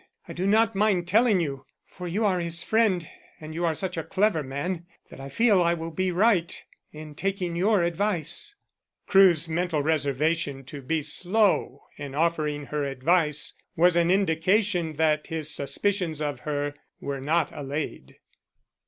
I do not mind telling you, for you are his friend, and you are such a clever man that I feel I will be right in taking your advice." Crewe's mental reservation to be slow in offering her advice was an indication that his suspicions of her were not allayed.